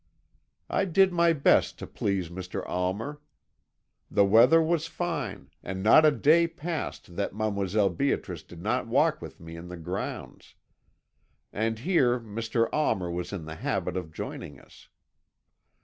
"I did my best to please Mr. Almer; the weather was fine, and not a day passed that Mdlle. Beatrice did not walk with me in the grounds. And here Mr. Almer was in the habit of joining us.